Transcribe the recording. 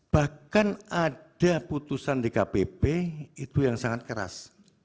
bahkan ada putusan dkpp itu yang sangat keras